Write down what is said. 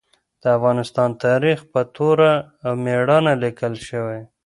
د افغانستان تاریخ په توره او مېړانه لیکل شوی.